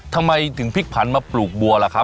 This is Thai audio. ทำไมถึงพลิกผันมาปลูกบัวล่ะครับ